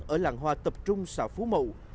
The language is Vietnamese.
ở làng hoa tập trung xã phú mậu